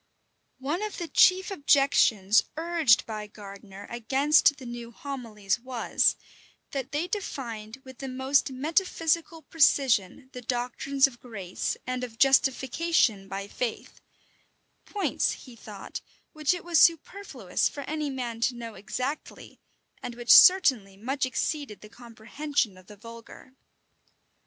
One of the chief objections urged by Gardiner against the new homilies was, that they defined with the most metaphysical precision the doctrines of grace, and of justification by faith; points, he thought, which it was superfluous for any man to know exactly, and which certainly much exceeded the comprehension of the vulgar.